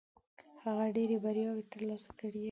هغه ډېرې بریاوې ترلاسه کړې وې.